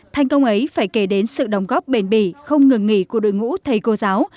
thành công ấy phải kể đến sự đóng góp bền bỉ không ngừng nghỉ của đội ngũ thầy cô giáo